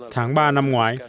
tháng ba năm ngoái